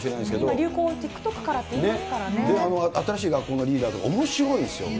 今、流行、ＴｉｋＴｏｋから新しい学校のリーダーズとかおもしろいんですよ。